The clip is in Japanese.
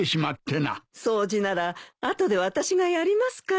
掃除なら後で私がやりますから。